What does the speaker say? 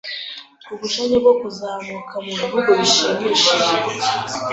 Ubushake bwo kuzamuka mubihugu bishimishije?